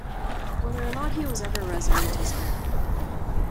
Whether or not he was ever resident is unknown.